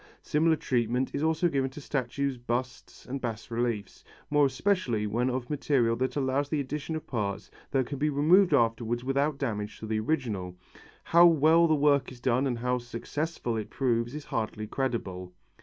Similar treatment is also given to statues, busts and bas reliefs, more especially when of material that allows the addition of parts that can be removed afterwards without damage to the original. How well the work is done and how successful it proves is hardly credible.